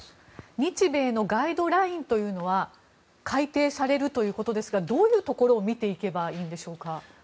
日米のガイドラインというのは改定されるということですがどういうところを見ていけばいいんでしょうか。